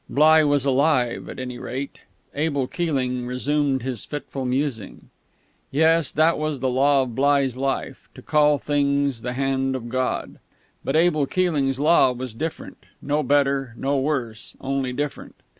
Bligh was alive, at any rate.... Abel Keeling resumed his fitful musing. Yes, that was the Law of Bligh's life, to call things the Hand of God; but Abel Keeling's Law was different; no better, no worse, only different.